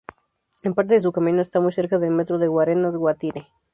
En parte de su camino está muy cerca del Metro de Guarenas Guatire.